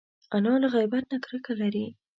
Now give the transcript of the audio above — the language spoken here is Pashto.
انا له غیبت نه کرکه لري